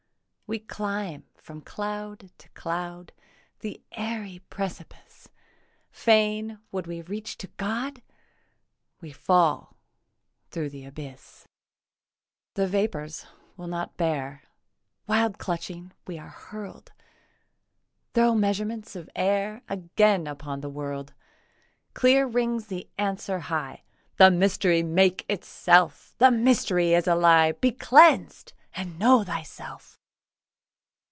We climb from cloud to cloud The airy precipice; Fain would we reach to God; We fall thro' the abyss. The vapours will not bear. Wild clutching we are hurl'd Thro' measurements of air Again upon the world. Clear rings the answer high, 'The mystery makes itself; The mystery is a lie; Be cleansed and know thyself.